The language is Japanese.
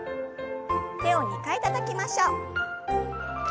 手を２回たたきましょう。